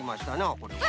これは。